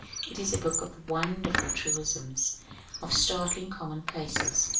It is a book of wonderful truisms, of startling commonplaces.